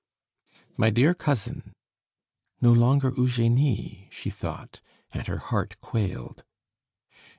My dear Cousin, "No longer 'Eugenie,'" she thought, and her heart quailed.